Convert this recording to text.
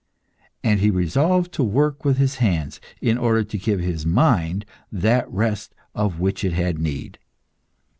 And he resolved to work with his hands, in order to give his mind that rest of which it had need.